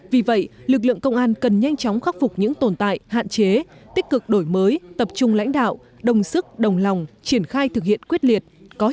vì vậy lực lượng công an cần nhanh chóng khắc phục những tồn tại hạn chế tích cực đổi mới tập trung lãnh đạo đồng sức đồng lòng triển khai thực hiện quyết liệt